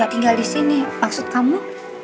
tinggal di sini maksud kamu